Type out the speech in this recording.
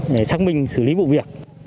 để xác minh xử lý vụ việc